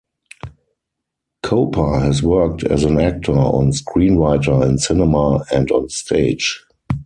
Koper has worked as an actor and screenwriter in cinema and on stage.